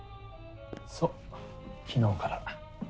そう昨日から。